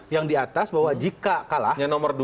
yang di atas bahwa jika kalah